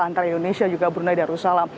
antara indonesia juga brunei dan rusala